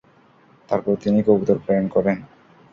তারপর তিনি কবুতর প্রেরণ করেন।